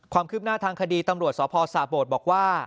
ความคลิบหน้าทางคดีตำรวจอสาโปรสาเพรตบอกว่า